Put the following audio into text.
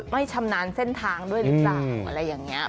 ไม่ชำนานเส้นทางด้วยหรือเปล่า